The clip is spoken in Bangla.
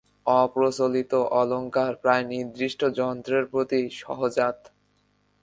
অপ্রচলিত অলঙ্কার প্রায়ই নির্দিষ্ট যন্ত্রের প্রতি সহজাত।